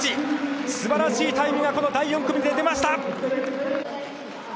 すばらしいタイムがこの第４組で出ました。